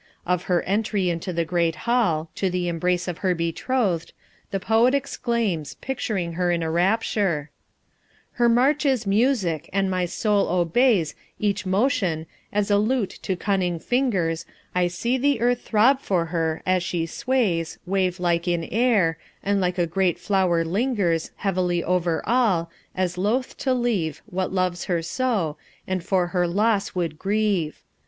Of her entry into the Great Hall, to the embrace of her betrothed, the poet exclaims, picturing her in a rapture: Her march is music, and my soul obeys Each motion, as a lute to cunning fingers I see the earth throb for her as she sways Wave like in air, and like a great flower lingers Heavily over all, as loath to leave What loves her so, and for her loss would grieve.